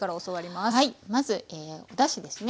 まずおだしですね。